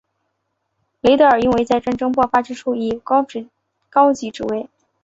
雷德尔因为在战争爆发之初已有高级职位。